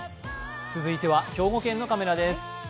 続いては兵庫県のカメラです。